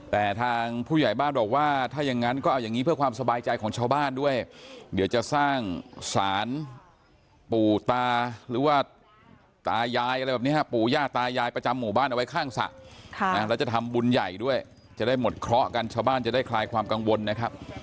แต่ทางผู้ใหญ่บ้านบอกว่าถ้าอย่างนั้นก็เอาอย่างนี้เพื่อความสบายใจของชาวบ้านด้วยเดี๋ยวจะสร้างสารปู่ตาหรือว่าตายายอะไรแบบนี้ฮะปู่ย่าตายายประจำหมู่บ้านเอาไว้ข้างสระแล้วจะทำบุญใหญ่ด้วยจะได้หมดเคราะห์กันชาวบ้านจะได้คลายความกังวลนะครับ